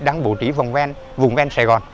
đang bổ trí vùng ven sài gòn